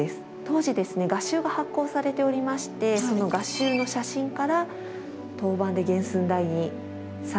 当時ですね画集が発行されておりましてその画集の写真から陶板で原寸大に再現しています。